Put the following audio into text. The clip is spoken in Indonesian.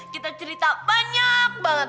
kita cerita banyak banget